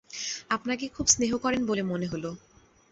আপনাকে খুব স্নেহ করেন বলে মনে হল।